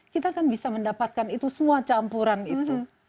kita kan bisa mendapatkan itu semua campuran itu